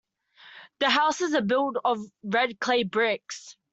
The houses are built of red clay bricks.